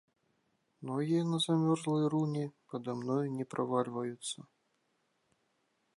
Ногі на замёрзлай руні пада мною не правальваюцца.